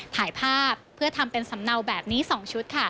ถ่ายภาพเพื่อทำเป็นสำเนาแบบนี้๒ชุด